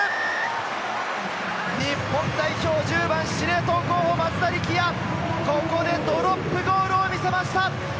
日本代表・司令塔候補、松田力也、ここでドロップゴールを見せました。